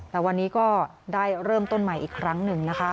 แต่วันนี้ก็ได้เริ่มต้นใหม่อีกครั้งหนึ่งนะคะ